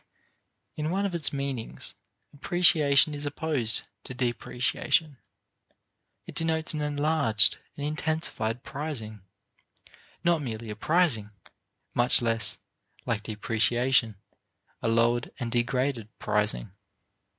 In one of its meanings, appreciation is opposed to depreciation. It denotes an enlarged, an intensified prizing, not merely a prizing, much less like depreciation a lowered and degraded prizing.